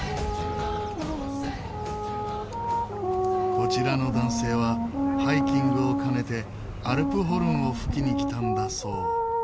こちらの男性はハイキングを兼ねてアルプホルンを吹きに来たんだそう。